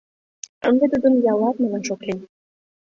Ынде тудым ялат манаш ок лий.